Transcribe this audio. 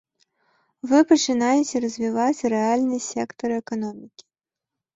Вы пачынаеце развіваць рэальны сектар эканомікі.